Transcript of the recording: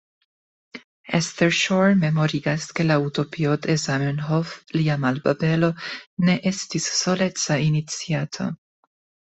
Esther Schor memorigas ke la utopio de Zamenhof, lia Malbabelo, ne estis soleca iniciato.